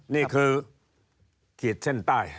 นี่คือขีดเส้นใต้